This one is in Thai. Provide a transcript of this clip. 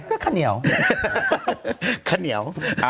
ก็ข้าวเหนียว